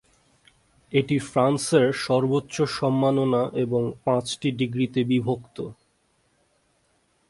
এটি ফ্রান্সের সর্বোচ্চ সম্মাননা এবং পাঁচটি ডিগ্রিতে বিভক্ত।